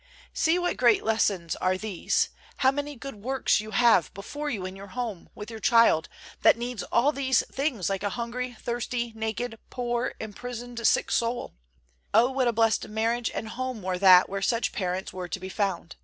See, what great lessons are these, how many good works you have before you in your home, with your child, that needs all these things like a hungry, thirsty, naked, poor, imprisoned, sick soul. O what a blessed marriage and home were that where such parents were to be found!